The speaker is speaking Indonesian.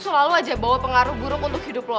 selalu aja bawa pengaruh buruk untuk hidup lo